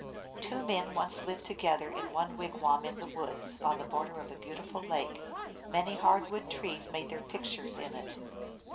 Two men once lived together in one wigwam in the woods, on the border of a beautiful lake. Many hard wood trees made their pictures in it.